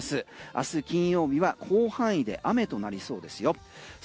明日金曜日は広範囲で雨となりそうですよ。